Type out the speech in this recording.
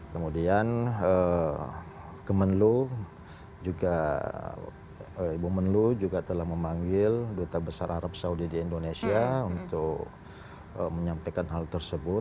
kemudian kemenlu juga ibu menlu juga telah memanggil duta besar arab saudi di indonesia untuk menyampaikan hal tersebut